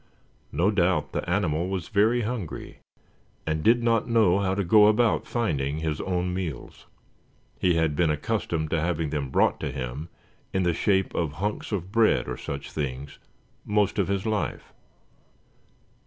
No doubt the animal was very hungry, and did not know how to go about finding his own meals, he had been accustomed to having them brought to him in the shape of hunks of bread or such things, most of his life.